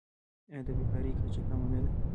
آیا د بیکارۍ کچه کمه نه ده؟